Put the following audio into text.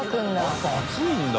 やっぱ暑いんだ。